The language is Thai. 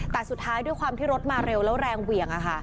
แต่สุดท้ายด้วยความที่รถมาเร็วแล้วแรงเหวี่ยง